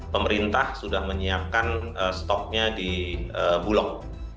pemerintah sudah menyiapkan stoknya di bulog